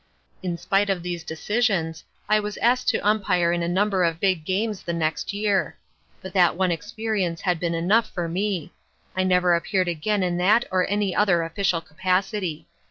In spite of these decisions, I was asked to umpire in a number of big games the next year: but that one experience had been enough for me. I never appeared again in that or any other official capacity.